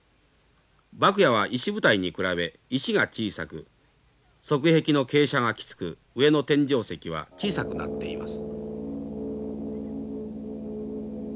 牧野は石舞台に比べ石が小さく側壁の傾斜がきつく上の天井石は小さくなっています。